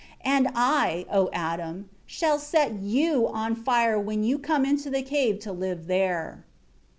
And I, O Adam, shall set you on fire when you come into the cave to live there."